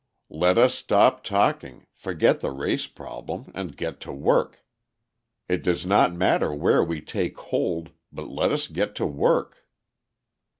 "Let us stop talking, forget the race problem, and get to work. It does not matter where we take hold, but let us go to work."